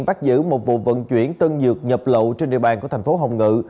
bắt giữ một vụ vận chuyển tân dược nhập lậu trên địa bàn của thành phố hồng ngự